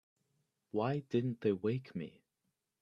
Why didn't they wake me?